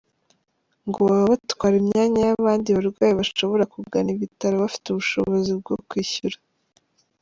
Ngo baba batwara imyanya y’abandi barwayi bashobora kugana ibitaro bafite ubushobozi bwo kwishyura.